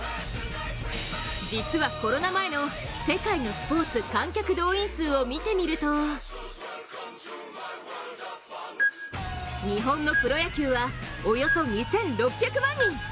実はコロナ前の世界のスポーツ観客動員数を見てみると日本のプロ野球はおよそ２６００万人。